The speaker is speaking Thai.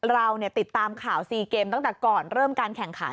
เราติดตามข่าว๔เกมตั้งแต่ก่อนเริ่มการแข่งขัน